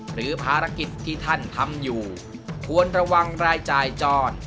หรือภารกิจที่ท่านทำอยู่ควรระวังรายจ่ายจร